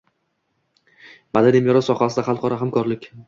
Madaniy meros sohasida xalqaro hamkorlik